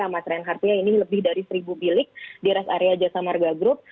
amat renk artinya ini lebih dari seribu bilik di rest area jasa marga group